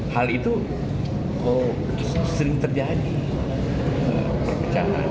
hal itu sering terjadi perpecahan